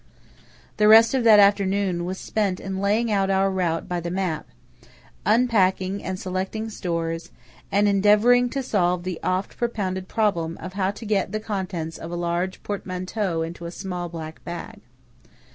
The rest of that afternoon was spent in laying out our route by the map; unpacking and selecting stores; and endeavouring to solve the oft propounded problem of how to get the contents of a large portmanteau into a small black bag.